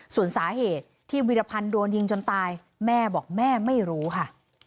ส่วนสาเหตุที่วิรพันธ์โดนยิงจนตายแม่บอกแม่ไม่รู้ค่ะ